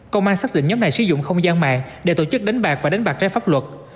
công an xác định nhóm này sử dụng không gian mạng để tổ chức đánh bạc và đánh bạc trái pháp luật